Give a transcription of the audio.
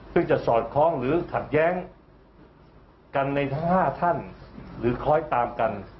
ซึ่งจะสอดคล้องหรือขัดแย้งกันในทั้ง๕ท่านหรือคอยตามกัน